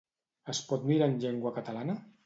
Es pot mirar en llengua catalana?